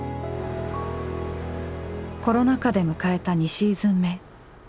コロナ禍で迎えた２シーズン目。